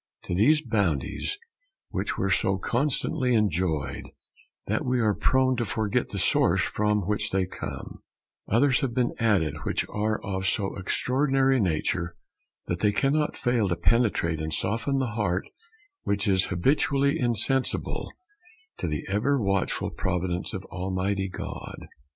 To these bounties, which are so constantly enjoyed that we are prone to forget the source from which they come, others have been added, which are of so extraordinary a nature that they cannot fail to penetrate and soften the heart which is habitually insensible to the ever watchful providence of Almighty God.